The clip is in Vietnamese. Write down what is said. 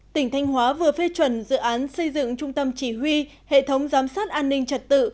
tỉnh thanh hóa vừa phê chuẩn dự án xây dựng trung tâm chỉ huy hệ thống giám sát an ninh trật tự